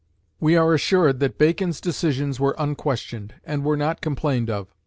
We are assured that Bacon's decisions were unquestioned, and were not complained of.